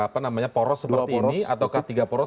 poros seperti ini atau ketiga poros